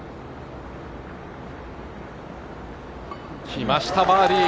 きました、バーディー。